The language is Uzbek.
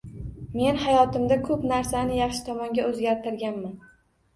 Men hayotimda ko’p narsani yaxshi tomonga o’zgartirganman.